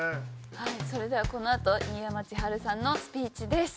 それではこのあと新山千春さんのスピーチです。